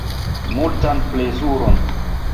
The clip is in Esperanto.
Multan plezuron!